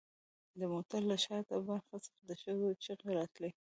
د موټر له شاته برخې څخه د ښځو چیغې راتلې